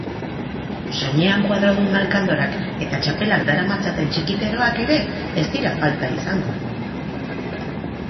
Soinean koadrodun alkandorak eta txapelak daramatzaten txikiteroak ere ez dira falta izango.